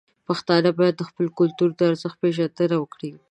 پښتانه باید د خپل کلتور د ارزښتونو پیژندنه وکړي.